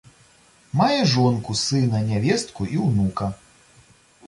Мае жонку, сына, нявестку і ўнука.